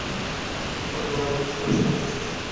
ওঁদের মেয়েরা বুঝি সকলের সাক্ষাতেই বেরোন?